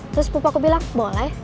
terus pupu aku bilang boleh